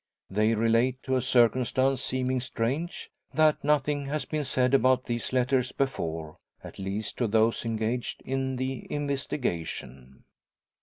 They relate to a circumstance seeming strange; that nothing has been said about these letters before at least to those engaged in the investigation.